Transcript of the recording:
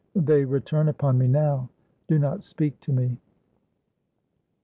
They return upon me now. Do not speak to me."